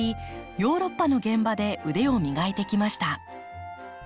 ヨーロッパの現場で腕を磨いてきました。